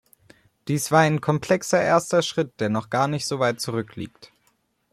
Dies war ein komplexer erster Schritt, der noch gar nicht so weit zurückliegt.